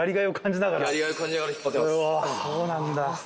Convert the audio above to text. うわそうなんだ。